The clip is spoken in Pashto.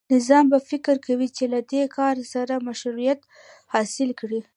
نظام به فکر کوي چې له دې کار سره مشروعیت حاصل کړي.